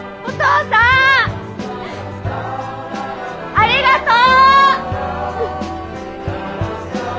ありがとう！